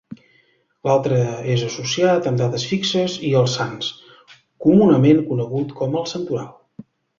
L'altre és associat amb dates fixes i els sants, comunament conegut com el Santoral.